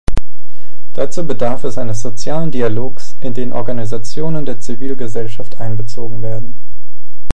Dazu bedarf es eines sozialen Dialogs, in den Organisationen der Zivilgesellschaft einbezogen werden.